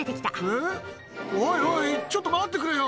えっ、おいおい、ちょっと待ってくれよ。